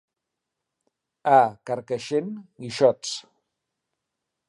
A Carcaixent, guixots.